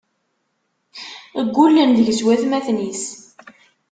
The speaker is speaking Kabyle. Ggullen deg-s watmaten-is.